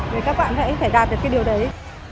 để các bạn phải đạt được cái điều đấy